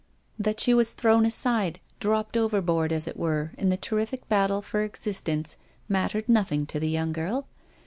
That she was thrown aside, dropped over board, as it were, in the terrific battle for existence mattered nothing to the young girl.